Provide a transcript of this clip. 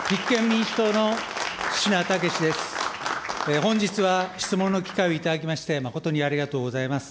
本日は質問の機会をいただきまして、誠にありがとうございます。